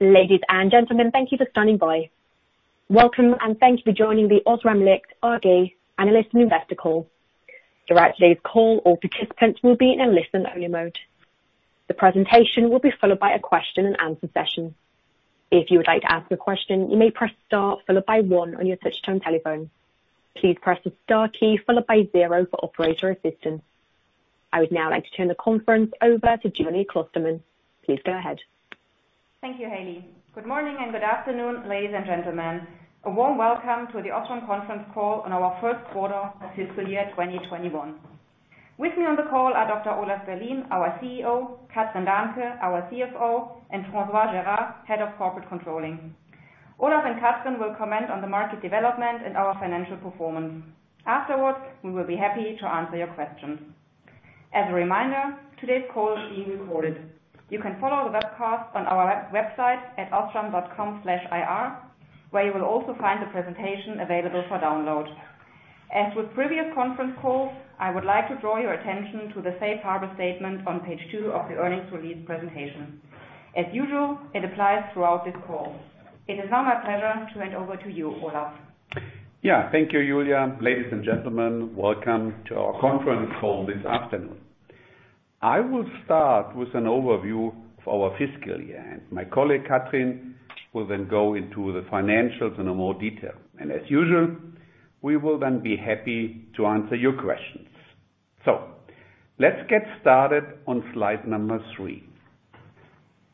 Ladies and gentlemen, thank you for standing by. Welcome and thank you for joining the OSRAM Licht AG analyst investor call. Throughout today's call, all participants will be in a listen-only mode. The presentation will be followed by a question and answer session. If you would like to ask a question, you may press star, followed by one on your touch-tone telephone. Please press the star key followed by zero for operator assistance. I would now like to turn the conference over to Julia Klostermann. Please go ahead. Thank you, Haley. Good morning and good afternoon, ladies and gentlemen. A warm welcome to the OSRAM conference call on our first quarter of fiscal year 2021. With me on the call are Dr. Olaf Berlien, our CEO, Kathrin Dahnke, our CFO, and François-Xavier Gérard, Head of Corporate Controlling. Olaf and Kathrin will comment on the market development and our financial performance. Afterwards, we will be happy to answer your questions. As a reminder, today's call is being recorded. You can follow the webcast on our website at osram.com/ir, where you will also find the presentation available for download. As with previous conference calls, I would like to draw your attention to the safe harbor statement on page two of the earnings release presentation. As usual, it applies throughout this call. It is now my pleasure to hand over to you, Olaf. Thank you, Julia. Ladies and gentlemen, welcome to our conference call this afternoon. I will start with an overview of our fiscal year, and my colleague Kathrin will then go into the financials in more detail. As usual, we will then be happy to answer your questions. Let's get started on slide number three.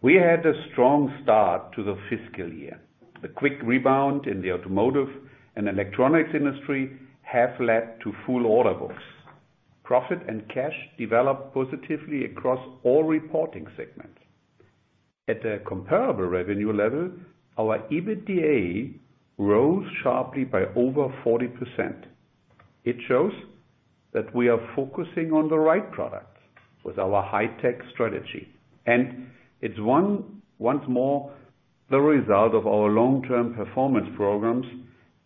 We had a strong start to the fiscal year. The quick rebound in the automotive and electronics industry have led to full order books. Profit and cash developed positively across all reporting segments. At a comparable revenue level, our EBITDA rose sharply by over 40%. It shows that we are focusing on the right products with our high-tech strategy, and it's once more the result of our long-term performance programs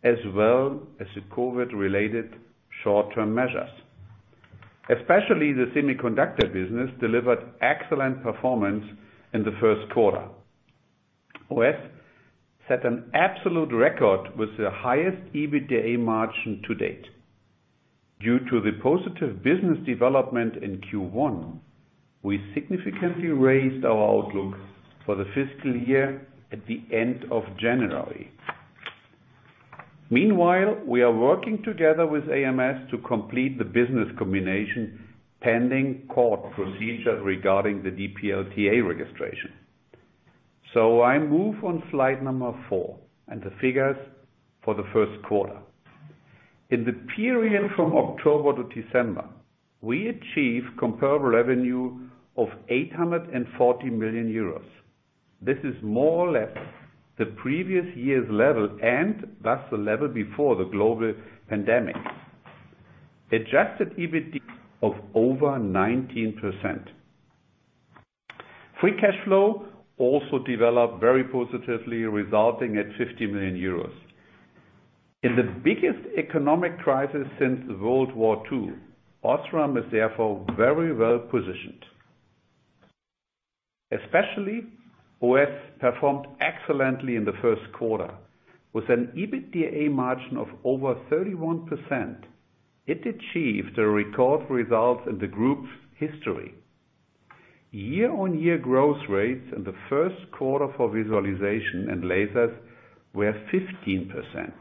as well as the COVID-related short-term measures. Especially the semiconductor business delivered excellent performance in the first quarter. OS set an absolute record with the highest EBITDA margin to date. Due to the positive business development in Q1, we significantly raised our outlook for the fiscal year at the end of January. Meanwhile, we are working together with ams to complete the business combination, pending court procedure regarding the DPLTA registration. I move on slide number four and the figures for the first quarter. In the period from October to December, we achieved comparable revenue of 840 million euros. This is more or less the previous year's level and thus the level before the global pandemic. Adjusted EBITDA of over 19%. Free cash flow also developed very positively, resulting at 50 million euros. In the biggest economic crisis since World War II, OSRAM is therefore very well-positioned. Especially OS performed excellently in the first quarter with an EBITDA margin of over 31%. It achieved a record result in the group's history. Year-on-year growth rates in the first quarter for visualization and lasers were 15%.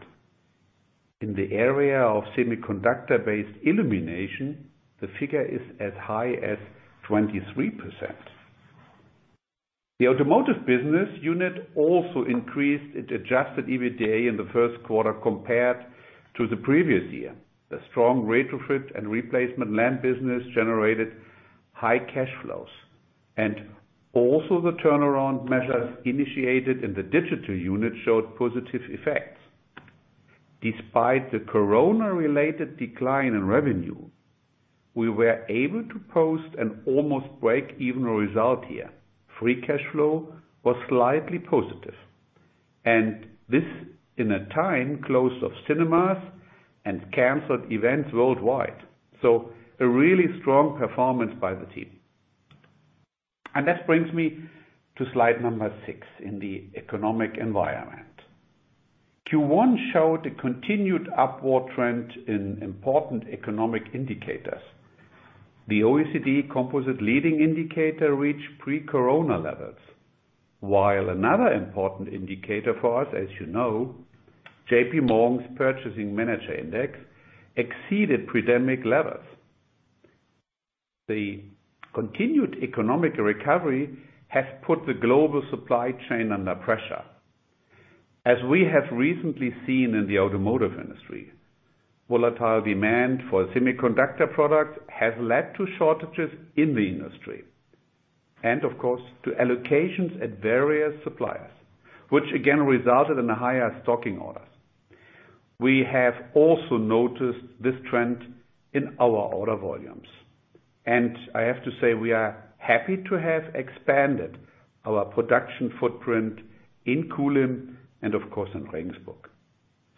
In the area of semiconductor-based illumination, the figure is as high as 23%. The Automotive business unit also increased its adjusted EBITDA in the first quarter compared to the previous year. The strong retrofit and replacement lamp business generated high cash flows, and also the turnaround measures initiated in the Digital unit showed positive effects. Despite the COVID-19-related decline in revenue, we were able to post an almost break-even result here. Free cash flow was slightly positive, and this in a time close of cinemas and canceled events worldwide. A really strong performance by the team. That brings me to slide number six in the economic environment. Q1 showed a continued upward trend in important economic indicators. The OECD Composite Leading Indicator reached pre-corona levels, while another important indicator for us, as you know, J.P. Morgan's Purchasing Managers' Index, exceeded pandemic levels. The continued economic recovery has put the global supply chain under pressure. As we have recently seen in the automotive industry, volatile demand for semiconductor products has led to shortages in the industry, and of course, to allocations at various suppliers, which again resulted in higher stocking orders. We have also noticed this trend in our order volumes, and I have to say we are happy to have expanded our production footprint in Kulim and of course in Regensburg.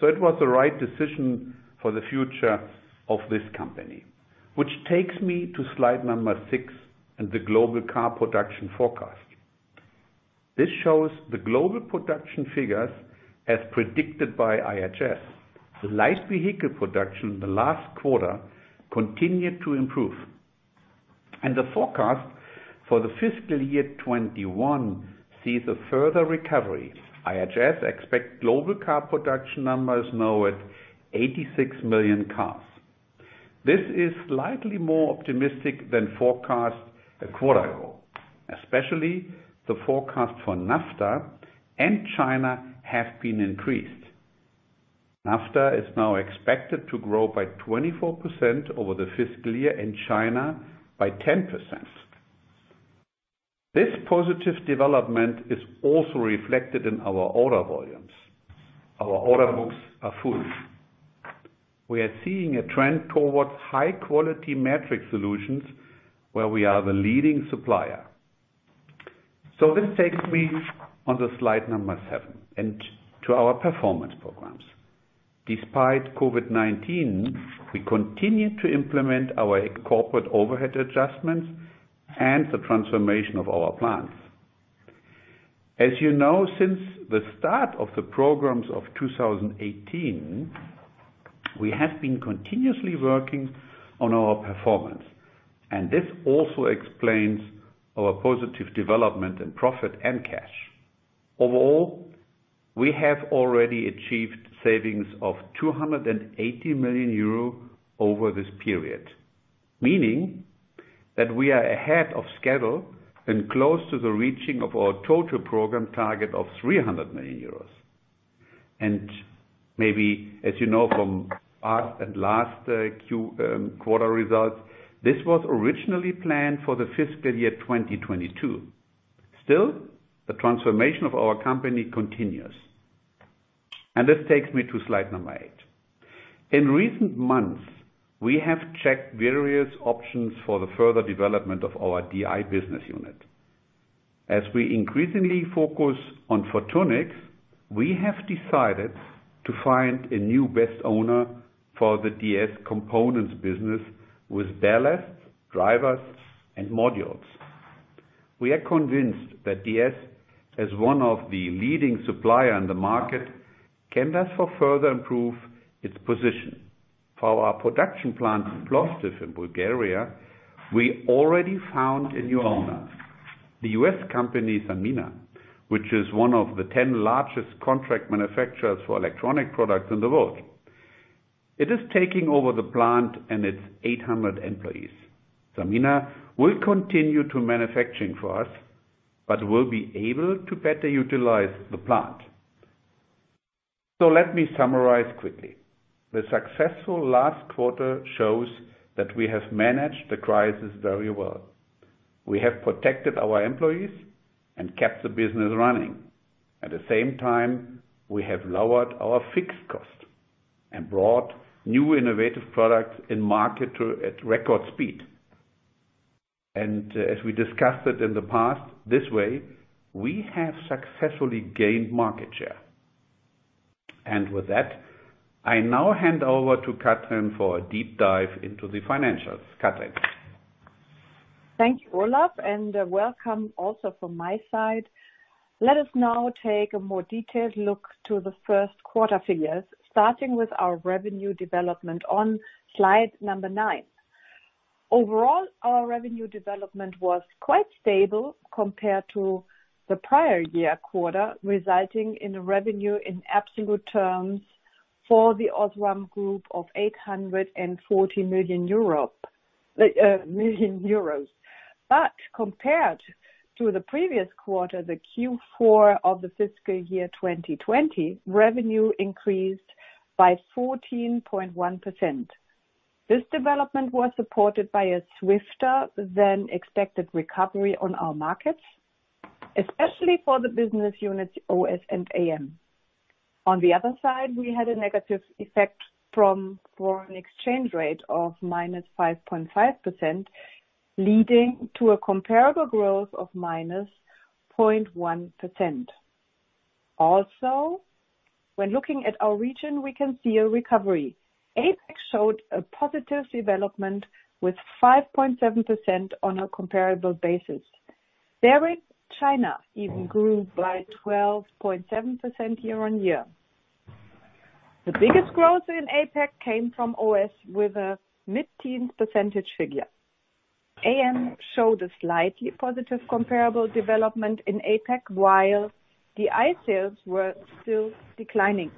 It was the right decision for the future of this company. Which takes me to slide number 6 and the global car production forecast. This shows the global production figures as predicted by IHS. The light vehicle production in the last quarter continued to improve, and the forecast for the fiscal year 2021 sees a further recovery. IHS expect global car production numbers now at 86 million cars. This is slightly more optimistic than forecast a quarter ago. Especially the forecast for NAFTA and China have been increased. NAFTA is now expected to grow by 24% over the fiscal year, and China by 10%. This positive development is also reflected in our order volumes. Our order books are full. We are seeing a trend towards high-quality matrix solutions where we are the leading supplier. This takes me on to slide number seven and to our performance programs. Despite COVID-19, we continued to implement our corporate overhead adjustments and the transformation of our plants. As you know, since the start of the programs of 2018, we have been continuously working on our performance, and this also explains our positive development in profit and cash. Overall, we have already achieved savings of 280 million euro over this period, meaning that we are ahead of schedule and close to the reaching of our total program target of 300 million euros. Maybe, as you know from our last quarter results, this was originally planned for the fiscal year 2022. Still, the transformation of our company continues. This takes me to slide number eight. In recent months, we have checked various options for the further development of our DI business unit. As we increasingly focus on photonics, we have decided to find a new best owner for the DS components business with ballasts, drivers and modules. We are convinced that DS, as one of the leading supplier in the market, can thus further improve its position. For our production plant in Plovdiv in Bulgaria, we already found a new owner. The U.S. company, Sanmina, which is one of the 10 largest contract manufacturers for electronic products in the world, is taking over the plant and its 800 employees. Sanmina will continue to manufacturing for us but will be able to better utilize the plant. Let me summarize quickly. The successful last quarter shows that we have managed the crisis very well. We have protected our employees and kept the business running. At the same time, we have lowered our fixed cost and brought new innovative products in market at record speed. As we discussed it in the past, this way we have successfully gained market share. With that, I now hand over to Kathrin for a deep dive into the financials. Kathrin. Thank you, Olaf, and welcome also from my side. Let us now take a more detailed look to the first quarter figures, starting with our revenue development on slide number nine. Overall, our revenue development was quite stable compared to the prior year quarter, resulting in a revenue in absolute terms for the OSRAM group of 840 million euros. Compared to the previous quarter, the Q4 of the fiscal year 2020, revenue increased by 14.1%. This development was supported by a swifter-than-expected recovery on our markets, especially for the business units OS and AM. On the other side, we had a negative effect from foreign exchange rate of -5.5%, leading to a comparable growth of -0.1%. Also, when looking at our region, we can see a recovery. APAC showed a positive development with 5.7% on a comparable basis. Therein, China even grew by 12.7% year-on-year. The biggest growth in APAC came from OS with a mid-teens percentage figure. AM showed a slightly positive comparable development in APAC, while DI sales were still declining.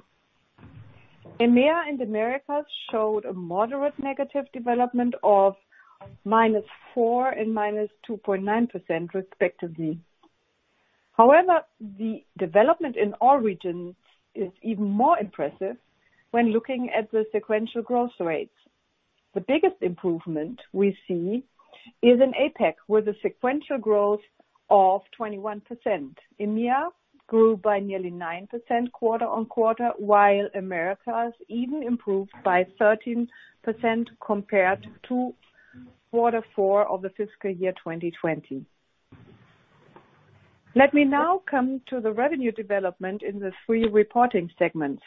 EMEA and Americas showed a moderate negative development of -4% and -2.9% respectively. However, the development in all regions is even more impressive when looking at the sequential growth rates. The biggest improvement we see is in APAC, with a sequential growth of 21%. EMEA grew by nearly 9% quarter-on-quarter, while Americas even improved by 13% compared to quarter four of the fiscal year 2020. Let me now come to the revenue development in the three reporting segments.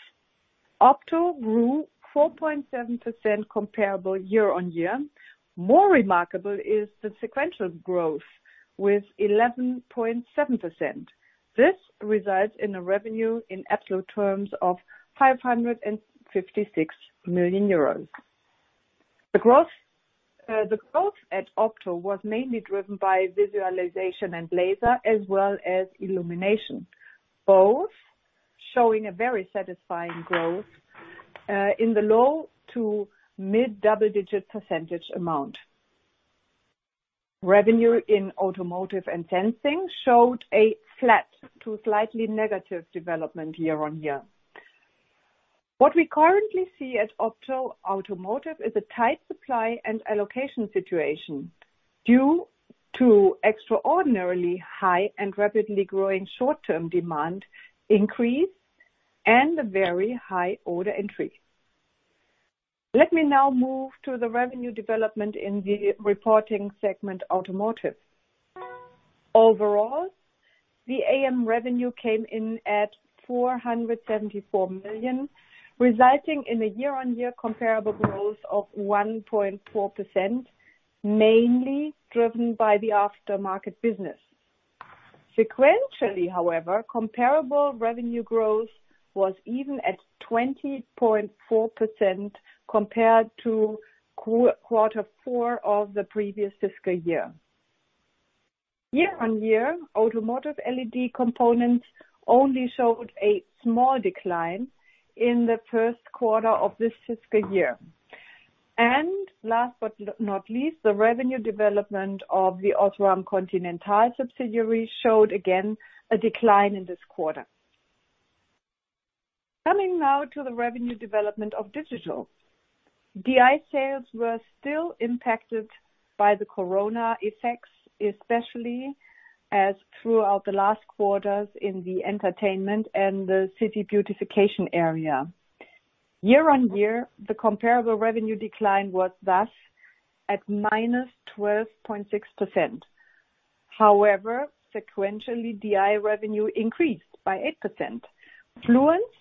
Opto grew 4.7% comparable year-on-year. More remarkable is the sequential growth with 11.7%. This results in a revenue in absolute terms of 556 million euros. The growth at Opto was mainly driven by visualization and laser, as well as illumination, both showing a very satisfying growth in the low to mid-double-digit percent. Revenue in automotive and sensing showed a flat to slightly negative development year-on-year. What we currently see at Opto Semiconductors is a tight supply and allocation situation due to extraordinarily high and rapidly growing short-term demand increase and a very high order entry. Let me now move to the revenue development in the reporting segment Automotive. Overall, the AM revenue came in at 474 million, resulting in a year-on-year comparable growth of 1.4%, mainly driven by the aftermarket business. Sequentially, however, comparable revenue growth was even at 20.4% compared to quarter four of the previous fiscal year. Year-on-year, automotive LED components only showed a small decline in the first quarter of this fiscal year. Last but not least, the revenue development of the OSRAM Continental subsidiary showed again a decline in this quarter. Coming now to the revenue development of Digital. DI sales were still impacted by the corona effects, especially as throughout the last quarters in the entertainment and the city beautification area. Year-on-year, the comparable revenue decline was thus at -12.6%. However, sequentially, DI revenue increased by 8%. Fluence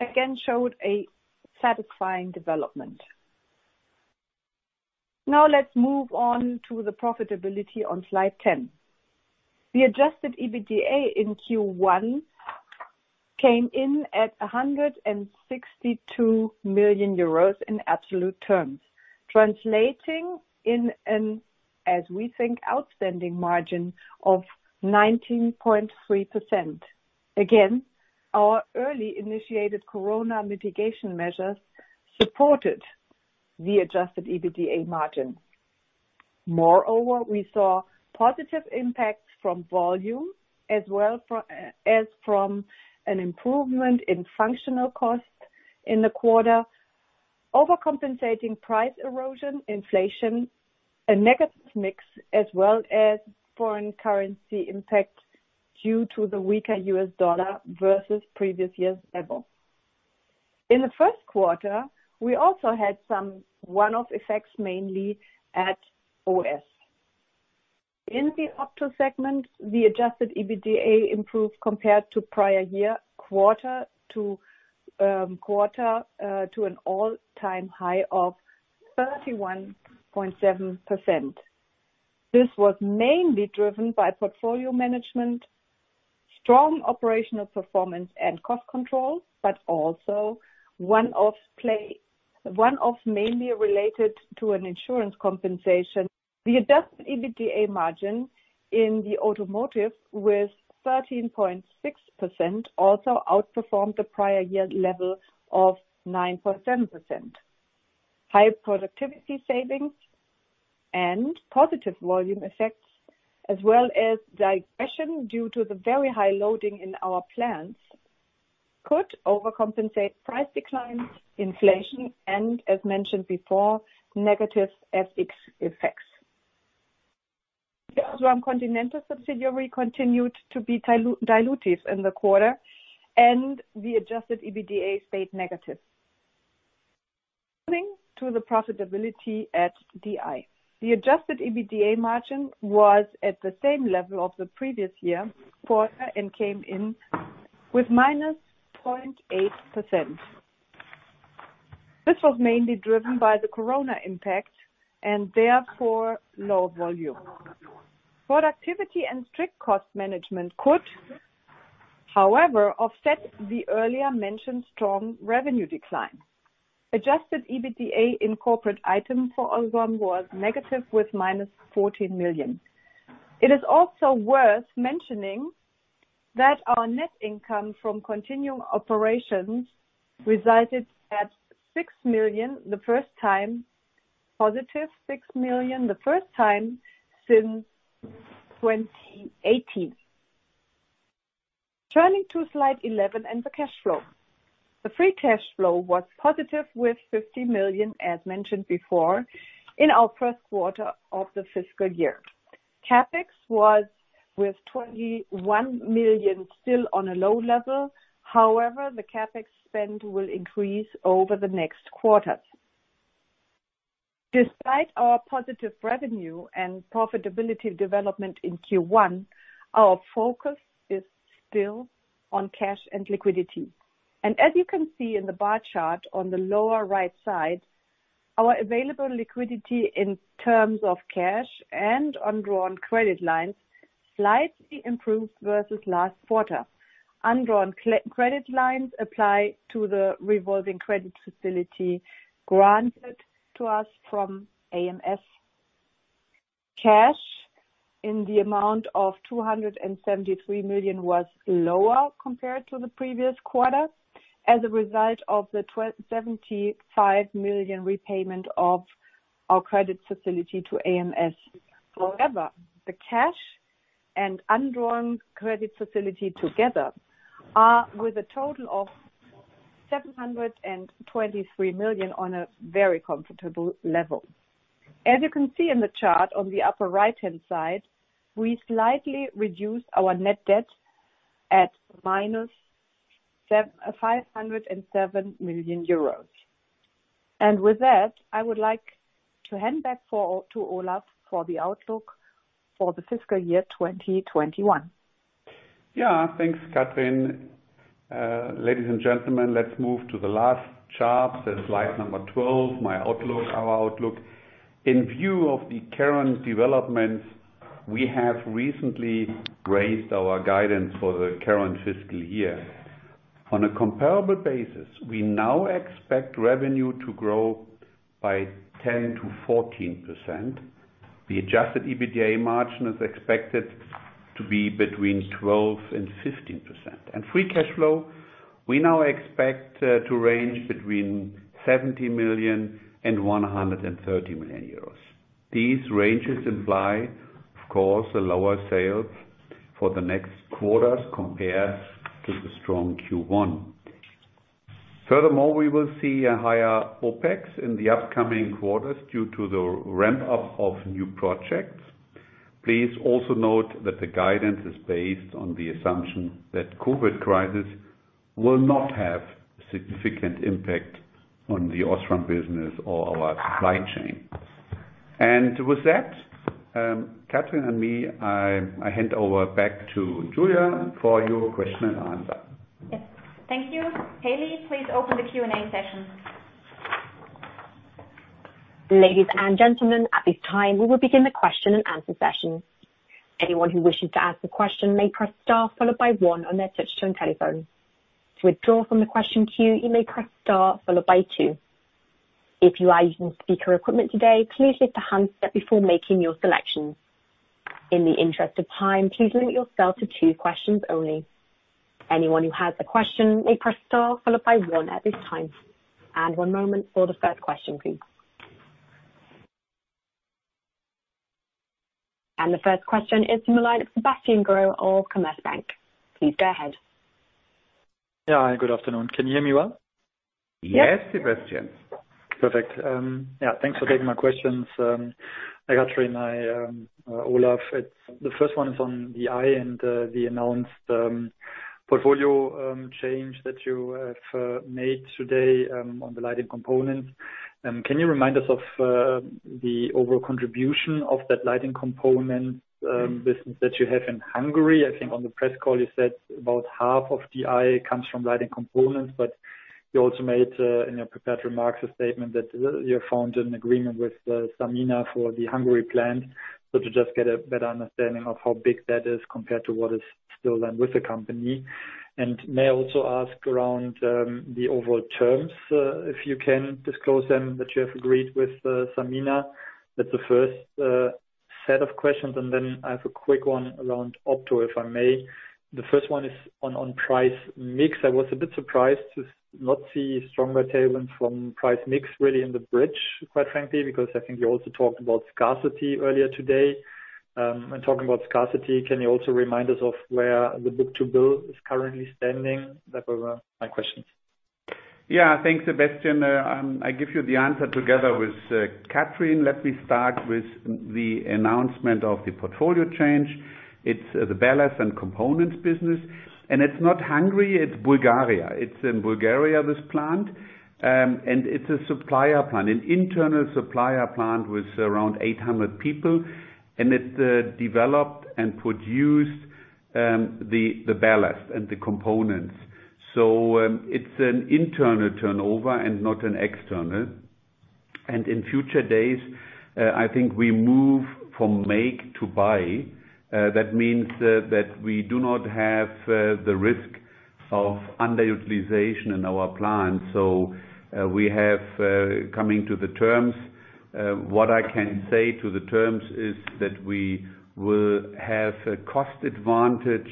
again showed a satisfying development. Now let's move on to the profitability on slide 10. The adjusted EBITDA in Q1 came in at 162 million euros in absolute terms, translating in an, as we think, outstanding margin of 19.3%. Again, our early initiated corona mitigation measures supported the adjusted EBITDA margin. Moreover, we saw positive impacts from volume as well as from an improvement in functional costs in the quarter, overcompensating price erosion, inflation, and negative mix, as well as foreign currency impact due to the weaker U.S. dollar versus previous years' level. In the first quarter, we also had some one-off effects, mainly at OS. In the Opto segment, the adjusted EBITDA improved compared to prior year quarter to an all-time high of 31.7%. This was mainly driven by portfolio management, strong operational performance, and cost control, but also one-off mainly related to an insurance compensation. The adjusted EBITDA margin in the Automotive with 13.6% also outperformed the prior year level of 9.7%. High productivity savings and positive volume effects, as well as degression due to the very high loading in our plants could overcompensate price declines, inflation and, as mentioned before, negative FX effects. The OSRAM Continental subsidiary continued to be dilutive in the quarter and the adjusted EBITDA stayed negative. Turning to the profitability at DI. The adjusted EBITDA margin was at the same level of the previous year quarter and came in with -0.8%. This was mainly driven by the corona impact and therefore low volume. Productivity and strict cost management could, however, offset the earlier mentioned strong revenue decline. Adjusted EBITDA in corporate item for OSRAM was negative with minus 14 million. It is also worth mentioning that our net income from continuing operations resided at 6 million the first time, positive 6 million the first time since 2018. Turning to slide 11 and the cash flow. The free cash flow was positive with 50 million, as mentioned before, in our first quarter of the fiscal year. CapEx was with 21 million, still on a low level. However, the CapEx spend will increase over the next quarters. Despite our positive revenue and profitability development in Q1, our focus is still on cash and liquidity. As you can see in the bar chart on the lower right side, our available liquidity in terms of cash and undrawn credit lines slightly improved versus last quarter. Undrawn credit lines apply to the revolving credit facility granted to us from ams. Cash in the amount of 273 million was lower compared to the previous quarter as a result of the 75 million repayment of our credit facility to ams. The cash and undrawn credit facility together are, with a total of 723 million, on a very comfortable level. As you can see in the chart on the upper right-hand side, we slightly reduced our net debt at minus 507 million euros. With that, I would like to hand back to Olaf for the outlook for the fiscal year 2021. Thanks, Kathrin. Ladies and gentlemen, let's move to the last chart. That's slide number 12, our outlook. In view of the current developments, we have recently raised our guidance for the current fiscal year. On a comparable basis, we now expect revenue to grow by 10%-14%. The adjusted EBITDA margin is expected to be between 12% and 15%. Free cash flow, we now expect to range between 70 million and 130 million euros. These ranges imply, of course, a lower sales for the next quarters compared to the strong Q1. Furthermore, we will see a higher OPEX in the upcoming quarters due to the ramp-up of new projects. Please also note that the guidance is based on the assumption that COVID-19 crisis will not have a significant impact on the OSRAM business or our supply chain. With that, Kathrin and me, I hand over back to Julia for your question and answer. Yes. Thank you. Haley, please open the Q&A session. Ladies and gentlemen, at this time, we will begin the question and answer session. Anyone who wishes to ask a question may press star followed by one on their touch-tone telephone. To withdraw from the question queue, you may press star followed by two. If you are using speaker equipment today, please lift the handset before making your selections. In the interest of time, please limit yourself to two questions only. Anyone who has a question may press star followed by one at this time. One moment for the first question, please. The first question is from the line of Sebastian Growe of Commerzbank. Please go ahead. Yeah. Good afternoon. Can you hear me well? Yes, Sebastian. Perfect. Yeah, thanks for taking my questions. Kathrin, Olaf, the first one is on the DI and the announced portfolio change that you have made today on the lighting components. Can you remind us of the overall contribution of that lighting component business that you have in Hungary? I think on the press call you said about half of the DI comes from lighting components. You also made, in your prepared remarks, a statement that you found an agreement with Sanmina for the Hungary plant. To just get a better understanding of how big that is compared to what is still then with the company. May I also ask around the overall terms, if you can disclose them, that you have agreed with Sanmina? That's the first set of questions, and then I have a quick one around Opto, if I may. The first one is on price mix. I was a bit surprised to not see stronger tailwind from price mix really in the bridge, quite frankly, because I think you also talked about scarcity earlier today. Talking about scarcity, can you also remind us of where the book-to-bill is currently standing? That was my questions. Yeah. Thanks, Sebastian. I give you the answer together with Kathrin. Let me start with the announcement of the portfolio change. It's the ballast and components business, and it's not Bulgaria, it's Bulgaria. It's in Bulgaria, this plant. It's a supplier plant, an internal supplier plant with around 800 people, and it developed and produced the ballast and the components. It's an internal turnover and not an external. In future days, I think we move from make to buy. That means that we do not have the risk of underutilization in our plant. We have, coming to the terms, what I can say to the terms is that we will have a cost advantage,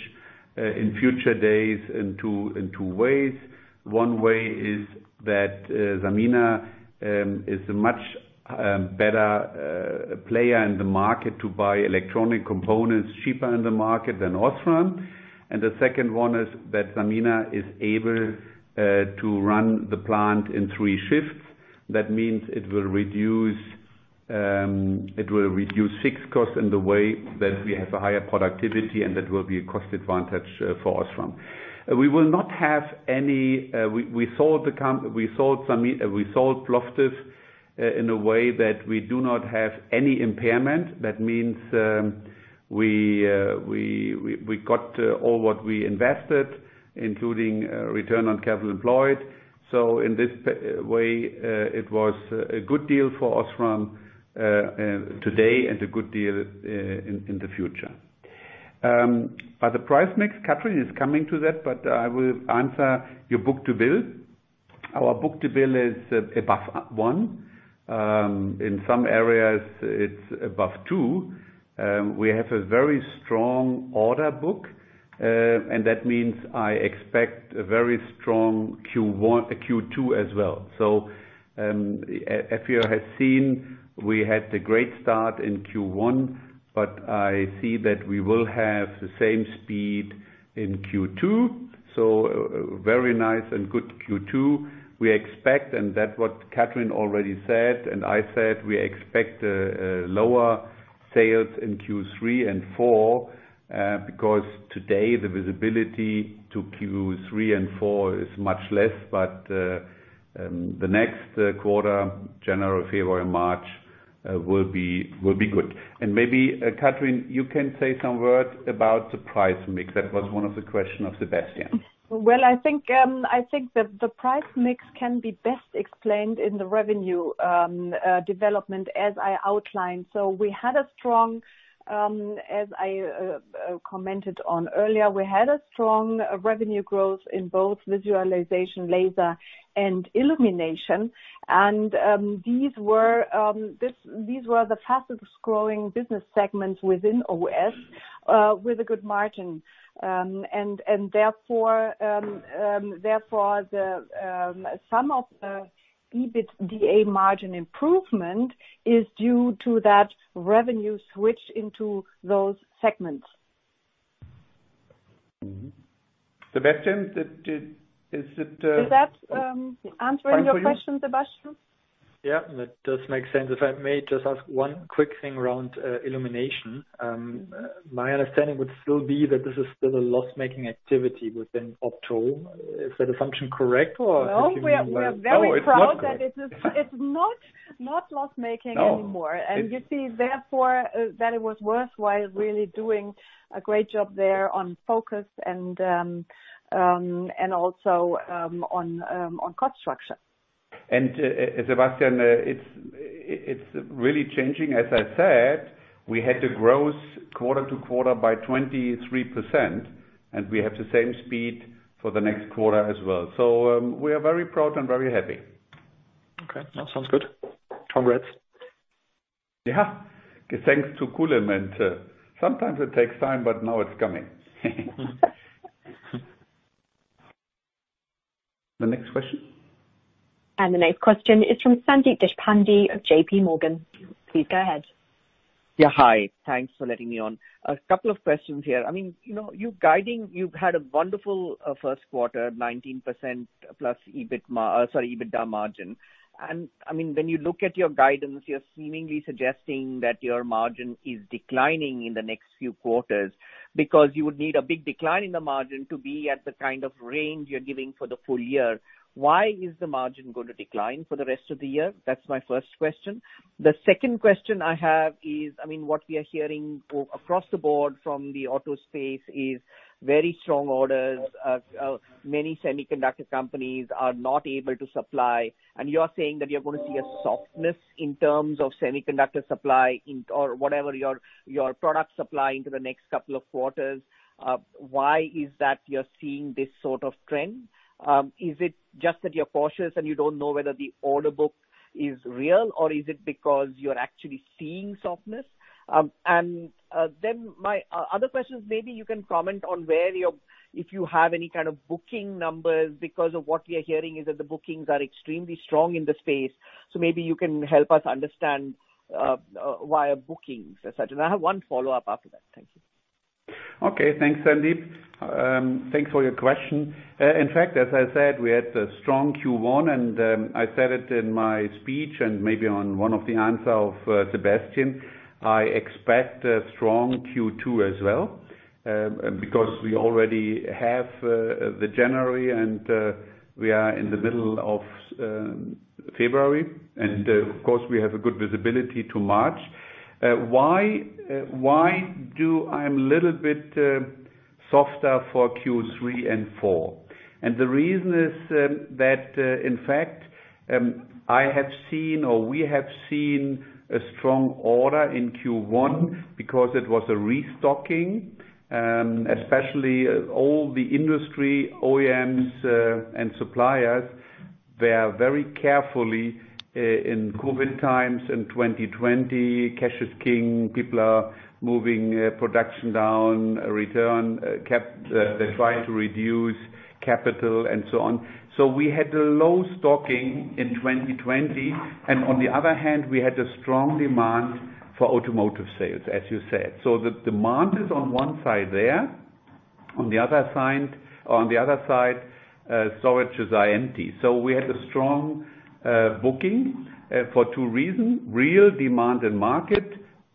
in future days in two ways. One way is that Sanmina is a much better player in the market to buy electronic components cheaper in the market than OSRAM. The second one is that Sanmina is able to run the plant in three shifts. That means it will reduce fixed costs in the way that we have a higher productivity, and that will be a cost advantage for OSRAM. We sold Plovdiv in a way that we do not have any impairment. That means we got all what we invested, including return on capital employed. In this way, it was a good deal for OSRAM today and a good deal in the future. By the price mix, Kathrin is coming to that, but I will answer your book-to-bill. Our book-to-bill is above one. In some areas, it's above two. We have a very strong order book, and that means I expect a very strong Q2 as well. If you have seen, we had a great start in Q1, I see that we will have the same speed in Q2. A very nice and good Q2. We expect, that what Kathrin already said, I said, we expect lower sales in Q3 and four, because today the visibility to Q3 and four is much less. The next quarter, January, February, March, will be good. Maybe, Kathrin, you can say some words about the price mix. That was one of the question of Sebastian. Well, I think that the price mix can be best explained in the revenue development as I outlined. As I commented on earlier, we had a strong revenue growth in both visualization, laser, and illumination. These were the fastest growing business segments within OS, with a good margin. Therefore, some of the EBITDA margin improvement is due to that revenue switch into those segments. Mm-hmm. Sebastian, Is that answering your question, Sebastian? Yeah. That does make sense. If I may just ask one quick thing around illumination. My understanding would still be that this is still a loss-making activity within Opto. Is that assumption correct? No, we are very proud- Oh, it's not correct. that it's not loss-making anymore. Oh. You see, therefore, that it was worthwhile really doing a great job there on focus and also on cost structure. Sebastian, it's really changing. As I said, we had the growth quarter-to-quarter by 23%, and we have the same speed for the next quarter as well. We are very proud and very happy. Okay. No, sounds good. Congrats. Yeah. Thanks to Kulim. Sometimes it takes time, but now it's coming. The next question. The next question is from Sandeep Deshpande of JPMorgan. Please go ahead. Yeah. Hi. Thanks for letting me on. A couple of questions here. You're guiding you've had a wonderful first quarter, 19%+ EBITDA margin. When you look at your guidance, you're seemingly suggesting that your margin is declining in the next few quarters because you would need a big decline in the margin to be at the kind of range you're giving for the full year. Why is the margin going to decline for the rest of the year? That's my first question. The second question I have is, what we are hearing across the board from the auto space is very strong orders. Many semiconductor companies are not able to supply. You're saying that you're going to see a softness in terms of semiconductor supply or whatever your product supply into the next couple of quarters. Why is that you're seeing this sort of trend? Is it just that you're cautious and you don't know whether the order book is real, or is it because you're actually seeing softness? My other question is maybe you can comment on if you have any kind of booking numbers, because of what we are hearing is that the bookings are extremely strong in the space. Maybe you can help us understand via bookings, et cetera. I have one follow-up after that. Thank you. Okay. Thanks, Sandeep. Thanks for your question. In fact, as I said, we had a strong Q1, and I said it in my speech and maybe on one of the answer of Sebastian. I expect a strong Q2 as well, because we already have the January and we are in the middle of February. Of course, we have a good visibility to March. Why do I am a little bit softer for Q3 and Q4? The reason is that, in fact, I have seen or we have seen a strong order in Q1 because it was a restocking, especially all the industry OEMs and suppliers, they are very carefully, in COVID times in 2020, cash is king. People are moving production down, return, they're trying to reduce capital and so on. We had a low stocking in 2020. On the other hand, we had a strong demand for automotive sales, as you said. The demand is on one side there. On the other side, storages are empty. We had a strong booking for two reasons: real demand in market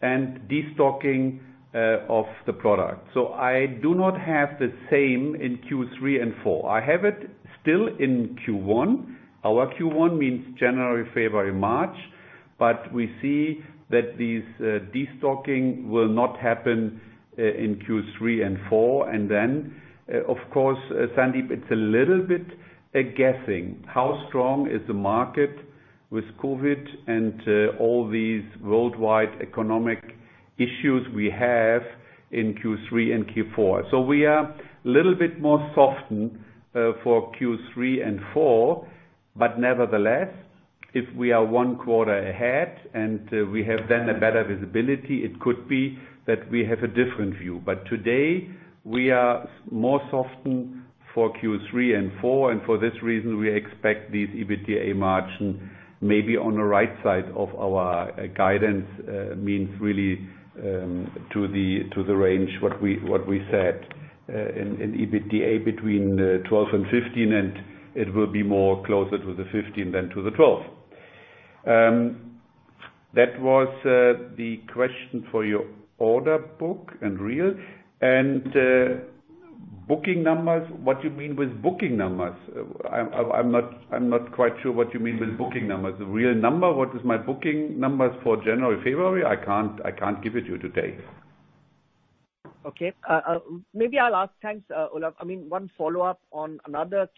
and de-stocking of the product. I do not have the same in Q3 and Q4. I have it still in Q1. Our Q1 means January, February, March. We see that these de-stocking will not happen in Q3 and Q4. Of course, Sandeep, it is a little bit a guessing. How strong is the market with COVID and all these worldwide economic issues we have in Q3 and Q4? We are a little bit more soften for Q3 and four, but nevertheless, if we are one quarter ahead and we have then a better visibility, it could be that we have a different view. Today, we are more softened for Q3 and Q4, for this reason, we expect this EBITDA margin, maybe on the right side of our guidance, means really to the range, what we said, an EBITDA between 12 and 15, it will be more closer to the 15 than to the 12. That was the question for your order book and bill. Booking numbers, what you mean with booking numbers? I'm not quite sure what you mean with booking numbers. The real number, what is my booking numbers for January, February? I can't give it to you today. Okay. Maybe I'll ask, thanks, Olaf. One follow-up on another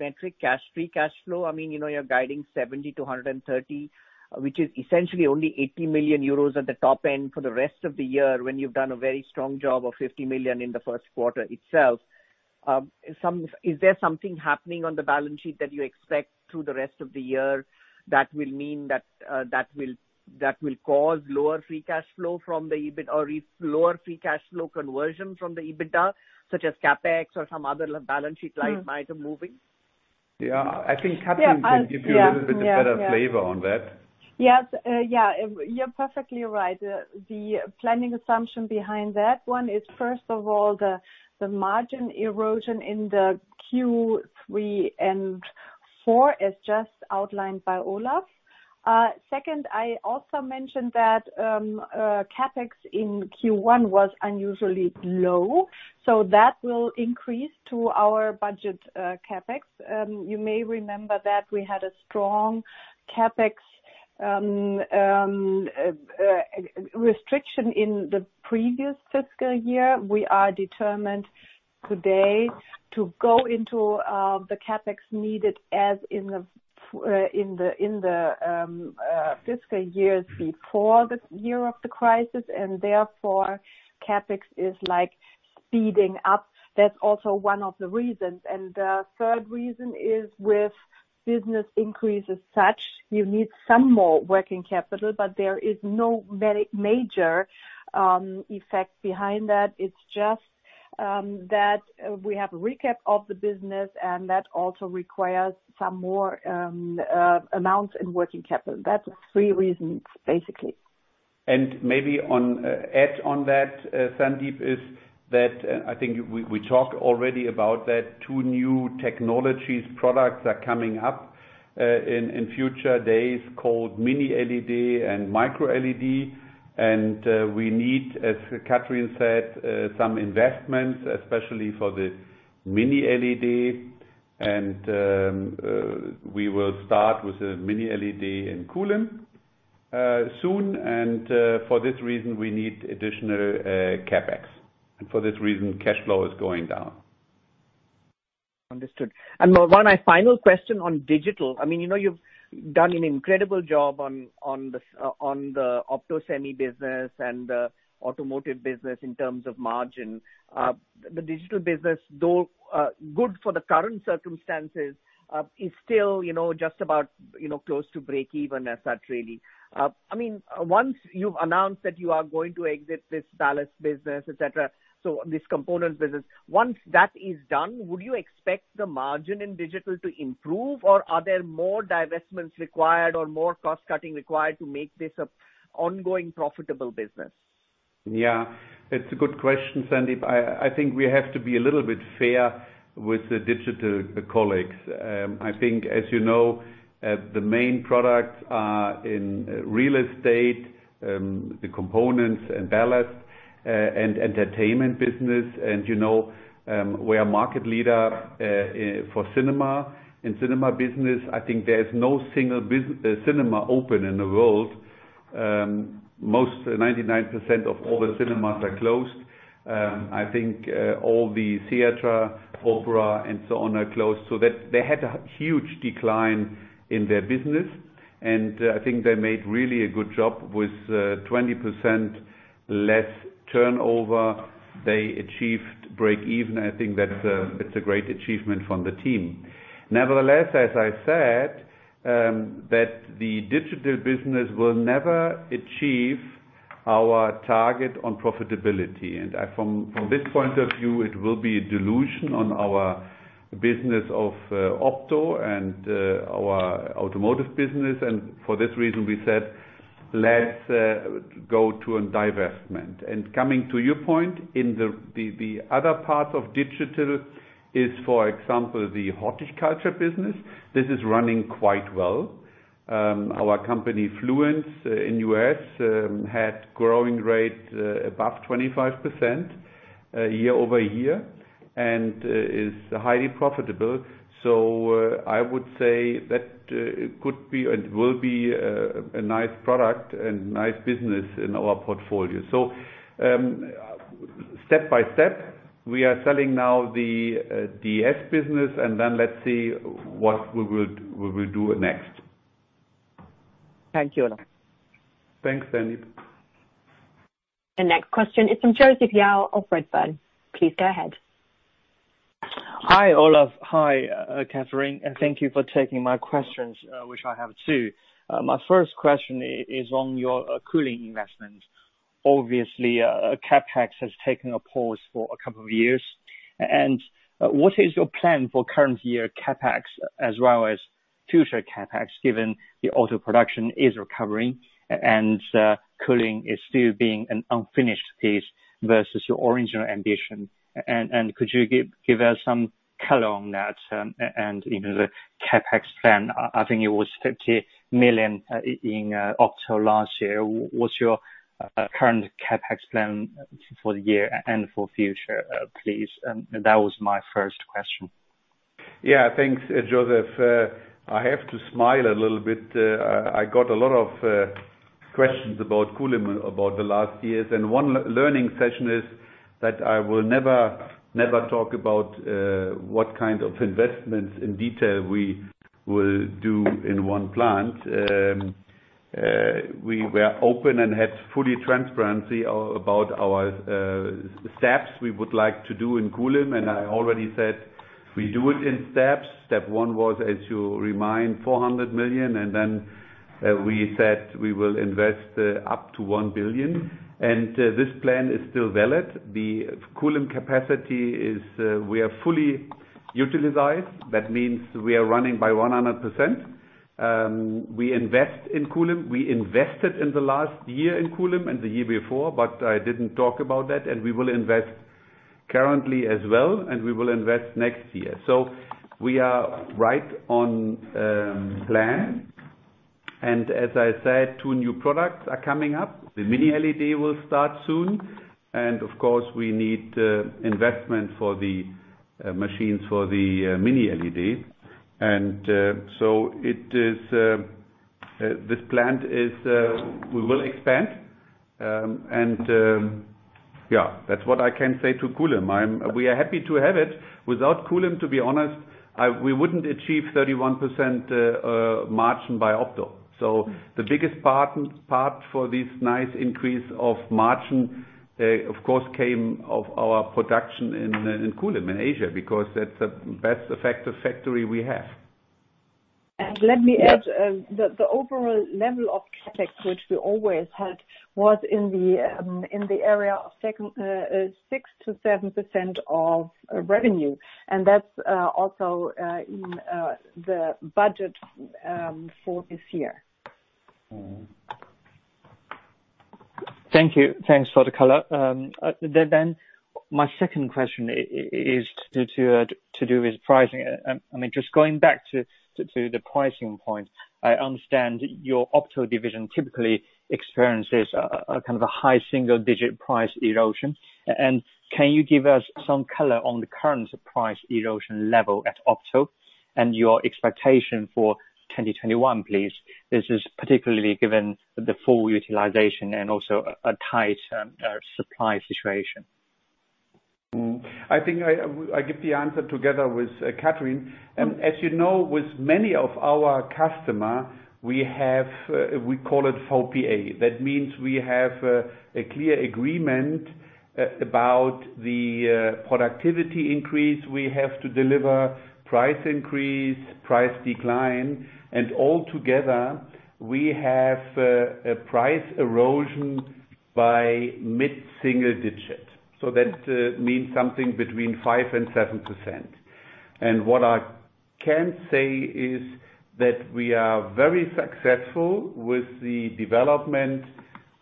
metric, cash free cash flow. You're guiding 70-130, which is essentially only 80 million euros at the top end for the rest of the year when you've done a very strong job of 50 million in the first quarter itself. Is there something happening on the balance sheet that you expect through the rest of the year that will cause lower free cash flow conversion from the EBITDA, such as CapEx or some other balance sheet line item moving? Yeah. I think. Yeah can give you a little bit- Yeah A better flavor on that. Yes. You're perfectly right. The planning assumption behind that one is, first of all, the margin erosion in the Q3 and Q4, as just outlined by Olaf. Second, I also mentioned that, CapEx in Q1 was unusually low, that will increase to our budget CapEx. You may remember that we had a strong CapEx restriction in the previous fiscal year. We are determined today to go into the CapEx needed as in the fiscal years before this year of the crisis, therefore CapEx is speeding up. That's also one of the reasons. The third reason is with business increase as such, you need some more working capital, there is no very major effect behind that. It's just that we have a recap of the business, that also requires some more amounts in working capital. That's three reasons, basically. Maybe on add on that, Sandeep, is that I think we talked already about that two new technologies products are coming up, in future days called miniLED and microLED. We need, as Kathrin said, some investments, especially for the miniLED. We will start with the miniLED in Kulim soon. For this reason, we need additional CapEx. For this reason, cash flow is going down. Understood. One final question on Digital. You've done an incredible job on the Opto Semi business and the automotive business in terms of margin. The Digital business, though, good for the current circumstances, is still just about close to break-even as such, really. Once you've announced that you are going to exit this ballast business, et cetera, this component business. Once that is done, would you expect the margin in Digital to improve, or are there more divestments required or more cost-cutting required to make this an ongoing profitable business? Yeah. It's a good question, Sandeep. I think we have to be a little bit fair with the Digital colleagues. I think as you know, the main products are in real estate, the components and ballast, and entertainment business. We are market leader for cinema. In cinema business, I think there's no single cinema open in the world. Most 99% of all the cinemas are closed. I think all the theater, opera, and so on are closed. They had a huge decline in their business, and I think they made really a good job with 20% less turnover. They achieved breakeven. I think that it's a great achievement from the team. Nevertheless, as I said, that the Digital business will never achieve our target on profitability. From this point of view, it will be a delusion on our business of Opto and our Automotive business. For this reason, we said, let's go to divestment. Coming to your point, in the other part of digital is, for example, the horticulture business. This is running quite well. Our company, Fluence, in the U.S. had a growing rate above 25% year-over-year and is highly profitable. I would say that it could be, and will be, a nice product and nice business in our portfolio. Step by step, we are selling now the DS business, then let's see what we will do next. Thank you, Olaf. Thanks, Sandeep. The next question is from Joseph Yao of Redburn. Please go ahead. Hi, Olaf. Hi, Kathrin. Thank you for taking my questions, which I have two. My first question is on your Kulim investment. Obviously, CapEx has taken a pause for a couple of years. What is your plan for current year CapEx as well as future CapEx, given the auto production is recovering and Kulim is still being an unfinished piece versus your original ambition? Could you give us some color on that and the CapEx plan? I think it was 50 million in Opto last year. What's your current CapEx plan for the year and for future, please? That was my first question. Yeah, thanks, Joseph. I have to smile a little bit. I got a lot of questions about Kulim about the last years. One learning session is that I will never talk about what kind of investments in detail we will do in one plant. We were open and had full transparency about our steps we would like to do in Kulim. I already said we do it in steps. Step one was, as you remind, 400 million. Then we said we will invest up to 1 billion. This plan is still valid. The Kulim capacity is we are fully utilized. That means we are running by 100%. We invest in Kulim. We invested in the last year in Kulim and the year before. I didn't talk about that. We will invest currently as well. We will invest next year. We are right on plan. As I said, two new products are coming up. The miniLED will start soon. Of course, we need investment for the machines for the miniLED. This plant, we will expand. That's what I can say to Kulim. We are happy to have it. Without Kulim, to be honest, we wouldn't achieve 31% margin by Opto. The biggest part for this nice increase of margin, of course, came of our production in Kulim, in Asia, because that's the best effective factory we have. Let me add, the overall level of CapEx, which we always had, was in the area of 6%-7% of revenue. That's also in the budget for this year. Thank you. Thanks for the color. My second question is to do with pricing. Just going back to the pricing point, I understand your Opto division typically experiences a kind of a high single-digit price erosion. Can you give us some color on the current price erosion level at Opto and your expectation for 2021, please? This is particularly given the full utilization and also a tight supply situation. I think I give the answer together with Kathrin. As you know, with many of our customers, we call it VPA. That means we have a clear agreement about the productivity increase we have to deliver, price increase, price decline, and altogether, we have a price erosion by mid-single digit. That means something between 5% and 7%. What I can say is that we are very successful with the development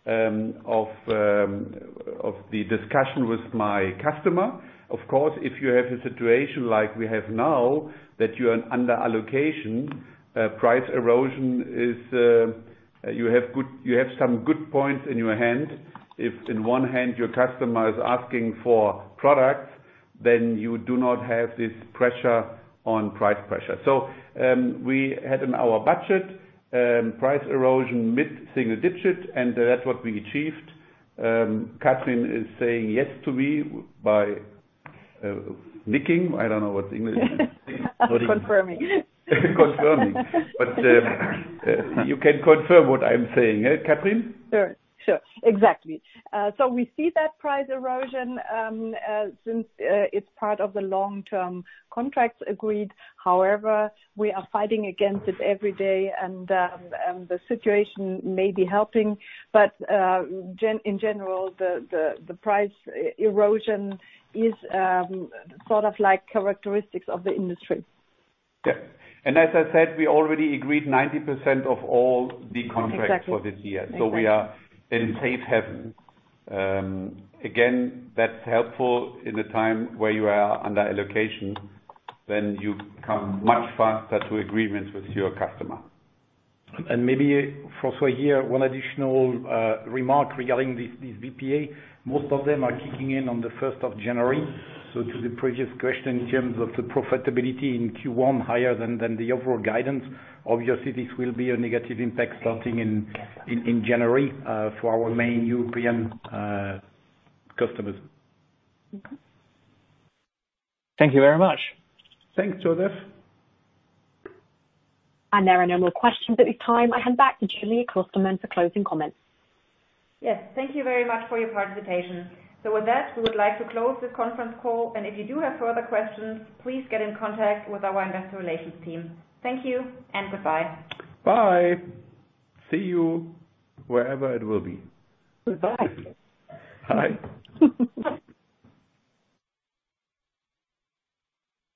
of the discussion with my customer. Of course, if you have a situation like we have now, that you are under allocation, price erosion, you have some good points in your hand. If in one hand, your customer is asking for products, you do not have this pressure on price pressure. We had in our budget, price erosion mid-single digit, and that's what we achieved. Kathrin is saying yes to me by nodding. I don't know what's English. Confirming. Confirming. You can confirm what I'm saying, Kathrin? Sure. Exactly. We see that price erosion, since it's part of the long-term contracts agreed. However, we are fighting against it every day and the situation may be helping. In general, the price erosion is sort of characteristics of the industry. Yeah. As I said, we already agreed 90% of all the contracts. Exactly for this year. We are in safe haven. Again, that's helpful in the time where you are under allocation, you come much faster to agreements with your customer. Maybe for here, one additional remark regarding this VPA. Most of them are kicking in on the 1st of January. To the previous question in terms of the profitability in Q1 higher than the overall guidance, obviously, this will be a negative impact starting in January for our main European customers. Thank you very much. Thanks, Joseph. There are no more questions at this time. I hand back to Julia Klostermann for closing comments. Yes. Thank you very much for your participation. With that, we would like to close this conference call, and if you do have further questions, please get in contact with our investor relations team. Thank you and goodbye. Bye. See you wherever it will be. Goodbye. Bye.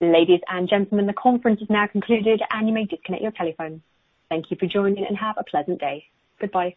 Ladies and gentlemen, the conference is now concluded, and you may disconnect your telephone. Thank you for joining and have a pleasant day. Goodbye.